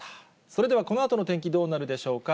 それではこのあとの天気どうなるでしょうか。